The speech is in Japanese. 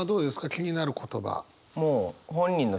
気になる言葉。